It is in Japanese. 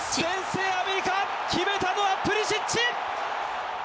先制、アメリカ決めたのはプリシッチ！